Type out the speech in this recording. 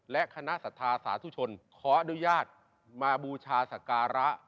และคณะศรัทธาสาธุชนขออนุญาตมาบูชาสการะ